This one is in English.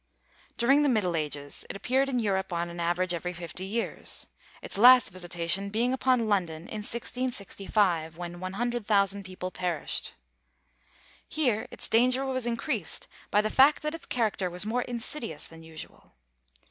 During the middle ages it appeared in Europe on an average, every fifty years, its last visitation being upon London, in 1665, when 100,000 people perished. Here its danger was increased by the fact that its character was more insidious than usual.